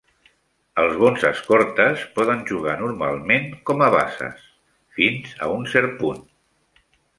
Els bons escortes poden jugar normalment com a bases, fins a un cert punt.